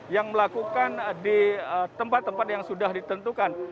yang melakukan di tempat tempat yang sudah ditentukan